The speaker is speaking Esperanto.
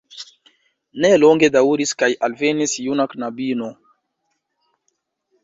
Ne longe daŭris kaj alvenis juna knabino.